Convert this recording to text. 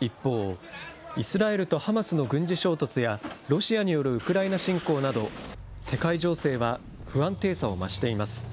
一方、イスラエルとハマスの軍事衝突や、ロシアによるウクライナ侵攻など、世界情勢は不安定さを増しています。